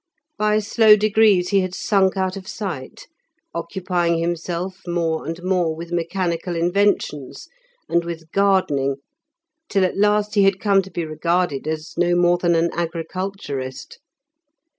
By slow degrees he had sunk out of sight, occupying himself more and more with mechanical inventions, and with gardening, till at last he had come to be regarded as no more than an agriculturist.